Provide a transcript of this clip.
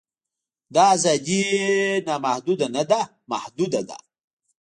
دا ازادي نامحدوده نه ده محدوده ده.